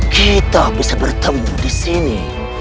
kita bisa bertemu di sini